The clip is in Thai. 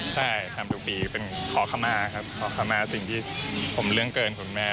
ใช่ทำทุกปีเป็นขอขมาครับขอคำมาสิ่งที่ผมเรื่องเกินคุณแม่